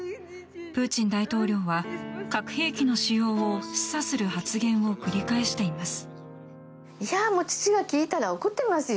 プーチン大統領は核兵器の使用を示唆する発言を繰り返しています。